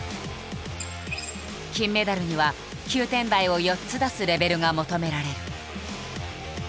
金メダルには９点台を４つ出すレベルが求められる。